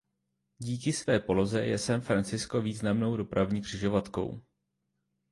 Díky své poloze je San Francisco významnou dopravní křižovatkou.